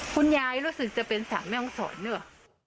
คุณยายรู้สึกจะเป็นสาวแม่องศรเนี่ย